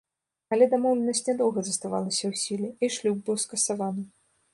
Але дамоўленасць нядоўга заставалася ў сіле, і шлюб быў скасаваны.